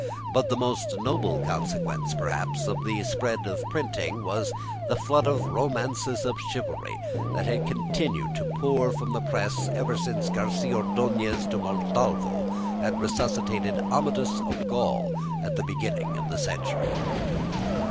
But the most notable consequence, perhaps, of the spread of printing was the flood of romances of chivalry that had continued to pour from the press ever since Garci Ordonez de Montalvo had resuscitated "Amadis of Gaul" at the beginning of the century.